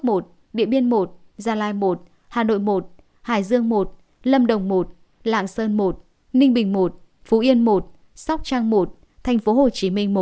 đắk lắc một địa biên một gia lai một hà nội một hải dương một lâm đồng một lạng sơn một ninh bình một phú yên một sóc trang một tp hcm một